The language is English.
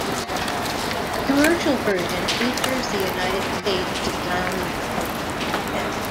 The commercial version features the United States roundel instead.